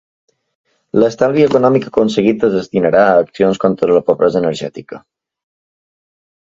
L'estalvi econòmic aconseguit es destinarà a accions contra la pobresa energètica.